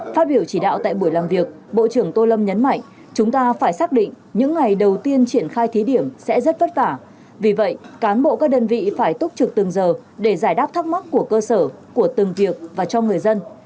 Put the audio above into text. phát biểu chỉ đạo tại buổi làm việc bộ trưởng tô lâm nhấn mạnh chúng ta phải xác định những ngày đầu tiên triển khai thí điểm sẽ rất vất vả vì vậy cán bộ các đơn vị phải túc trực từng giờ để giải đáp thắc mắc của cơ sở của từng việc và cho người dân